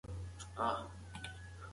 د پوستکي خارښت ژر وګورئ.